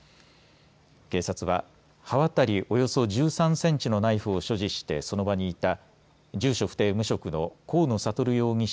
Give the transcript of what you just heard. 警察は刃渡りおよそ１３センチのナイフを所持してその場にいた住所不定、無職の河野智容疑者